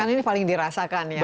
ini paling dirasakan ya